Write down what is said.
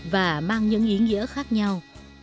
và mang những ý nghĩa khác nhau